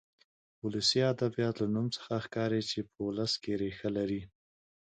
ولسي ادبيات له نوم څخه ښکاري چې په ولس کې ريښه لري.